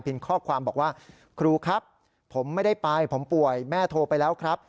ข้อความบอกว่าครูครับผมไม่ได้ไปผมป่วยแม่โทรไปแล้วครับ